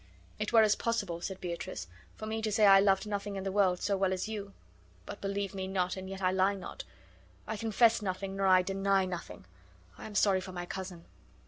"It were as possible," said Beatrice, "for me to say I loved nothing in the world so well as you; but believe me not, and yet I lie not. I confess nothing, nor I deny nothing. I am sorry for my cousin."